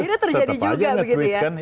akhirnya terjadi juga begitu ya